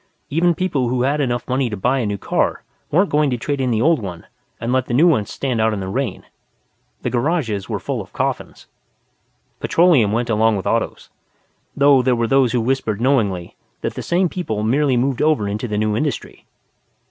Even people who had enough money to buy a new car weren't going to trade in the old one and let the new one stand out in the rain. The garages were full of coffins. Petroleum went along with Autos. (Though there were those who whispered knowingly that the same people merely moved over into the new industry.